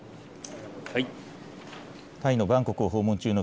タイのバンコク訪問中の